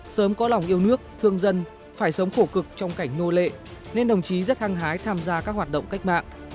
sớm có lòng yêu nước thương dân phải sống khổ cực trong cảnh nô lệ nên đồng chí rất hăng hái tham gia các hoạt động cách mạng